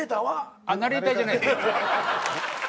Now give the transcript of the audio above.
ナレーターじゃないです。